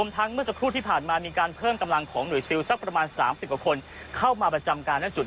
ทั้งเมื่อสักครู่ที่ผ่านมาก็มีการเพิ่มกำลังของหนึ่งซิลสักประมาณสามสิบกก่อนเข้ามาประจำกรรมด้านจุด